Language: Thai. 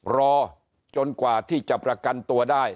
รอจนกว่าที่จะประกันตัวได้